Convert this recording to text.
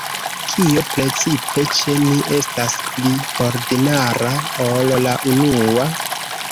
Kio precipe ĉe ni estas pli ordinara ol la unua?